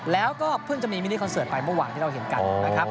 แล้วก็เพิ่งจะมีมินิคอนเสิร์ตไปเมื่อวานที่เราเห็นกันนะครับ